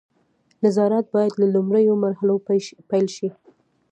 نظارت باید له لومړیو مرحلو پیل شي.